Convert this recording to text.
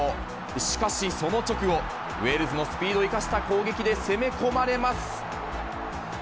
しかし、その直後、ウェールズのスピードを生かした攻撃で攻め込まれます。